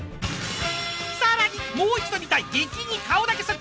［さらにもう一度見たい］